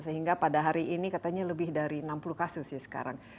tapi ini katanya lebih dari enam puluh kasus sih sekarang